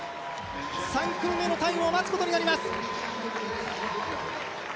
３組目のタイムを待つことになります。